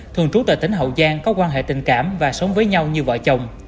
thường trú tại tỉnh hậu giang có quan hệ tình cảm và sống với nhau như vợ chồng